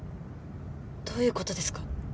どういうことですか？